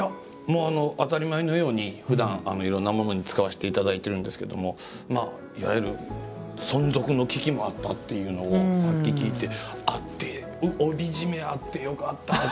当たり前のようにふだんいろんなものに使わせて頂いてるんですけどもいわゆる存続の危機もあったっていうのをさっき聞いて帯締めあってよかったって思たんです。